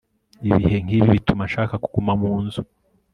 ibihe nkibi bituma nshaka kuguma mu nzu